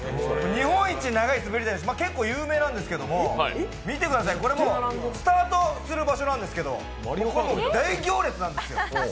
日本一長い滑り台、結構有名なんですけど、見てください、これスタートする場所なんですけど、大行列なんですよ。